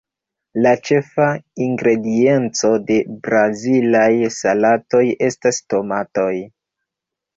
La ĉefa ingredienco de brazilaj salatoj estas tomatoj.